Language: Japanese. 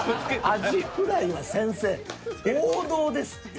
アジフライは先生王道ですって。